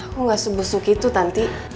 aku gak sebusuk itu tanti